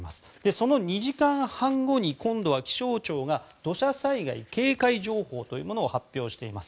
その２時間半後に今度は気象庁が土砂災害警戒情報というものを発表しています。